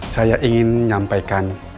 saya ingin menyampaikan